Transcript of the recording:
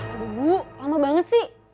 ibu lama banget sih